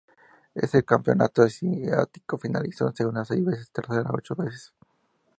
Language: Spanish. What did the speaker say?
En el Campeonato Asiático finalizó segunda seis veces y tercera ocho veces.